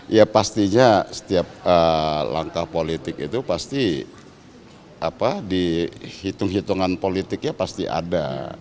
ya pastinya setiap langkah politik itu pasti di hitung hitungan politiknya pasti ada